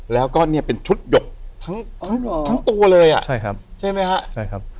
แล้วก็เนี่ยเป็นชุดหยกทั้งตัวเลยอ่ะใช่ไหมครับ